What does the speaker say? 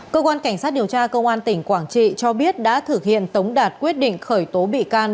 cơ quan cảnh sát điều tra công an tỉnh quảng trị cho biết đã thực hiện tống đạt quyết định khởi tố bị can